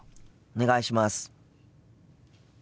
お願いします。